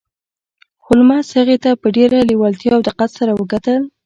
هولمز هغې ته په ډیره لیوالتیا او دقت سره وکتل